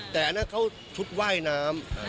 แต่อันนั้นเขาชุดว่ายน้ำ